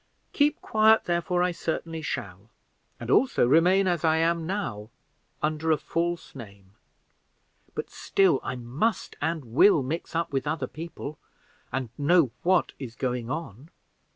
Keep quiet, therefore, I certainly shall, and also remain as I am now, under a false name; but still I must and will mix up with other people and know what is going on.